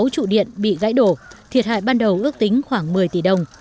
sáu trụ điện bị gãy đổ thiệt hại ban đầu ước tính khoảng một mươi tỷ đồng